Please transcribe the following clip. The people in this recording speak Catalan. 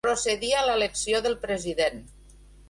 Procedir a l'elecció del president.